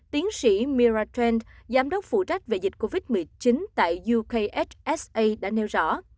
tiến sĩ mira trent giám đốc phụ trách về dịch covid một mươi chín tại ukhsa đã nêu rõ